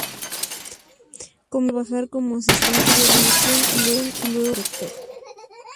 Comenzó a trabajar como asistente de dirección y luego como director.